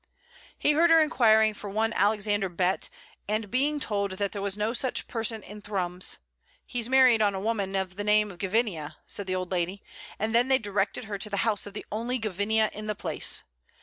He heard her inquiring for one Alexander Bett, and being told that there was no such person in Thrums, "He's married on a woman of the name of Gavinia," said the old lady; and then they directed her to the house of the only Gavinia in the place.